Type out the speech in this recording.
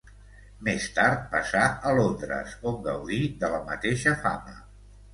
Més tard passà a Londres, on gaudí de la mateixa fama.